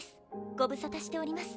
ご無沙汰しております